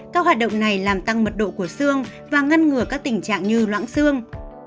các hoạt động này làm tăng mật độ của xương và ngăn ngừa các tình trạng như loãng xương